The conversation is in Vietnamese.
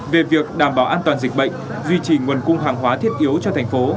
về việc đảm bảo an toàn dịch bệnh duy trì nguồn cung hàng hóa thiết yếu cho thành phố